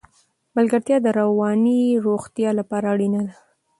ملګرتیا د رواني روغتیا لپاره اړینه ده.